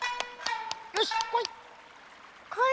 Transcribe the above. よしこい！